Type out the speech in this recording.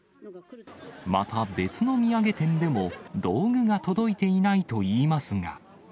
また、別の土産店でも道具が届いていないといいますが。